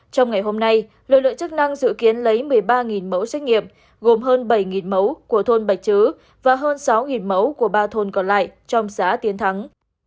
trong ngày hôm nay lực lượng chức năng dự kiến lấy một mươi ba mẫu xét nghiệm gồm hơn bảy mẫu của thôn bạch chứ và hơn sáu mẫu của ba thôn còn lại trong xã tiến thắng